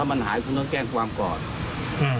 ถ้ามันหายคุณต้องแจ้งความกรอด